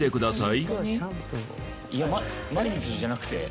いや毎日じゃなくて？